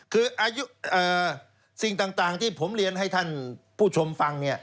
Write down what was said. คืออายุสิ่งต่างที่ผมเรียนให้ท่านผู้ชมฟัง